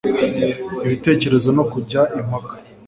ibitekerezo no kujya impaka.